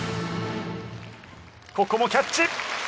ここもキャッチ！